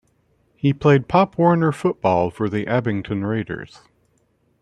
He played Pop Warner football for the Abington Raiders.